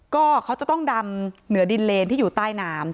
ก็เขาจะต้องดำเหนือดินเลนที่อยู่ใต้น้ำ